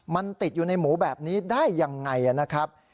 มันติดอยู่ในหมูแบบนี้ได้ยังไงนะครับ